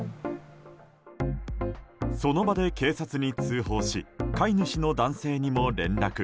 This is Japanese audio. その場で警察に通報し飼い主の男性にも連絡。